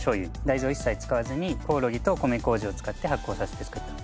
大豆を一切使わずにコオロギと米麹を使って発酵させて造った。